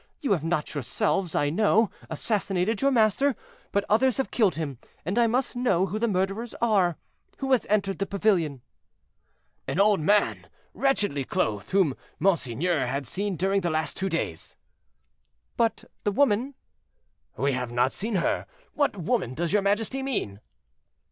You have not yourselves, I know, assassinated your master, but others have killed him; and I must know who the murderers are. Who has entered the pavilion?" "An old man, wretchedly clothed, whom monseigneur has seen during the last two days." "But the woman—" "We have not seen her—what woman does your majesty mean?"